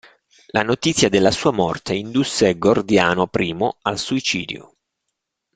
La notizia della sua morte indusse Gordiano I al suicidio.